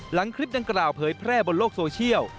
หลังคลิปดังกล่าวเผยแพร่บนโลกโซเชียล